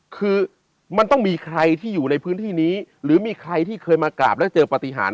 คือมันต้องมีใครที่อยู่ในพื้นที่นี้หรือมีใครที่เคยมากราบแล้วเจอปฏิหาร